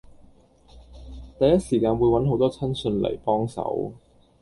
第一時間會搵好多親信嚟幫手